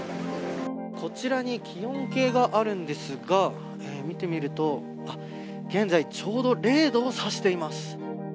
こちらに気温計があるんですが見てみると現在ちょうど０度を指しています。